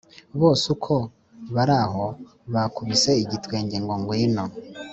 bose uko baraho bakubise igitwenge ngo ngwino